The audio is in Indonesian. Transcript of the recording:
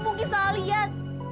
mungkin kamu salah liat